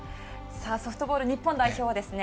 ソフトボール日本代表はですね